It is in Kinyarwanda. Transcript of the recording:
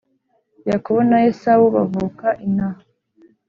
Yakobo na Esawu bavuka inaha